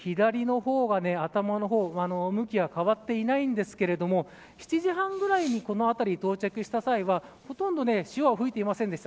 左の方が頭の方向きは変わっていないんですけれども７時半ぐらいにこの辺り到着した際にはほとんど潮は吹いていませんでした。